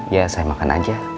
ya saya makan aja